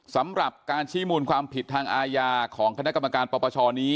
สำหรับการชี้มูลความผิดทางอาญาของคณะกรรมการปปชนี้